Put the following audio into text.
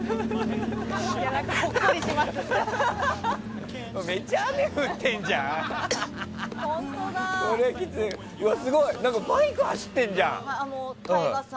何かほっこりしますね。